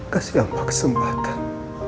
kasih hamba kesempatan